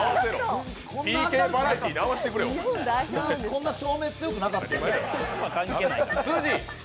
こんな照明強くなかった。